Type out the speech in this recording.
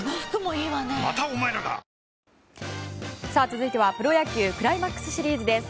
続いてはプロ野球クライマックスシリーズです。